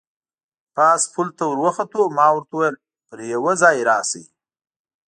پاس پل ته ور وخوتو، ما ورته وویل: پر یوه ځای راشئ.